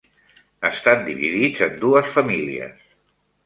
Estan dividits en dues famílies.